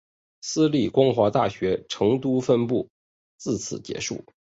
私立光华大学成都分部自此结束。